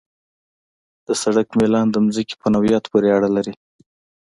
د سړک میلان د ځمکې په نوعیت پورې اړه لري